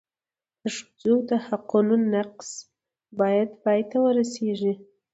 د ښځو د حقونو نقض باید پای ته ورسېږي.